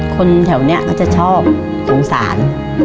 คนแถวเนี่ยก็จะชอบสงสาร